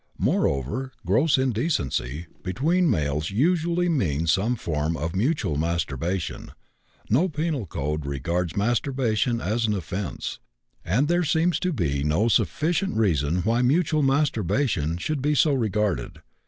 Moreover, "gross indecency" between males usually means some form of mutual masturbation; no penal code regards masturbation as an offense, and there seems to be no sufficient reason why mutual masturbation should be so regarded.